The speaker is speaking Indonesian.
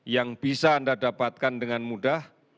yang bisa anda dapatkan dengan mudah